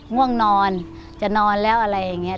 ง่วงนอนจะนอนแล้วอะไรอย่างนี้